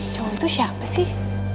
cowo itu siapa sih